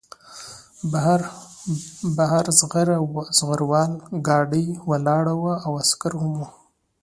بهر زغره وال ګاډی ولاړ و او عسکر هم وو